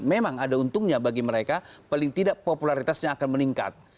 memang ada untungnya bagi mereka paling tidak popularitasnya akan meningkat